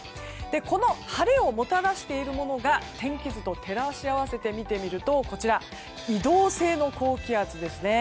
この晴れをもたらしているものが天気図と照らし合わせてみると移動性高気圧ですね。